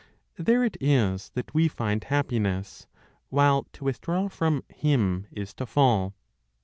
There it is that we find happiness, while to withdraw from Him is to fall.